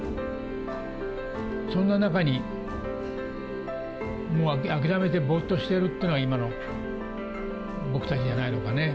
そんな中に、もう諦めてぼーっとしてるっていうのが、今の僕たちじゃないのかね。